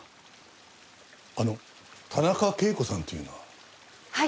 あの田中啓子さんというのは？